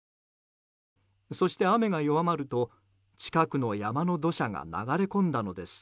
そして、雨が弱まると近くの山の土砂が流れ込んだのです。